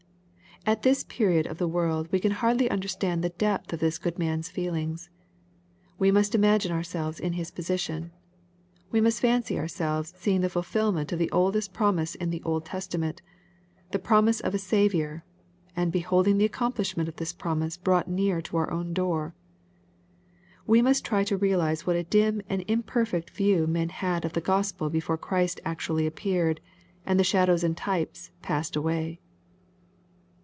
At this period of the world we can hardly understand the depth of this good man's feelings. We must imagine ourselves in his position. We must fancy ourselves seeing the fulfilment of the oldest promise in the Old Testa ment, — the promise of a Saviour, and beholding the accomplishment of this promise brought near to our own door. We must try to realize what a dim and im perfect view men had of the Gospel before Christ actu ally appeared, and the shadows and types passed away.